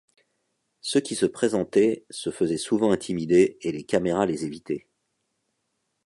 Ceux qui se présentaient se faisaient souvent intimider et les caméras les évitaient.